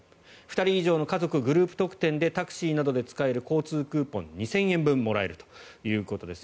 ２人以上の家族・グループ特典でタクシーなどで使える交通クーポン２０００円分もらえるということです。